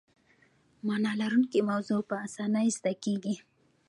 معنی لرونکې موضوع په اسانۍ زده کیږي.